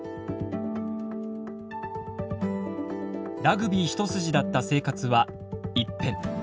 ラグビー一筋だった生活は一変。